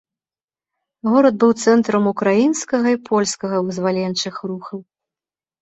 Горад быў цэнтрам украінскага і польскага вызваленчых рухаў.